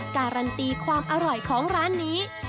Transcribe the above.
การันตีความอร่อยของร้านนี้